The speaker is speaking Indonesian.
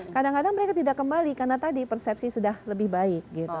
kadang kadang mereka tidak kembali karena tadi persepsi sudah lebih baik gitu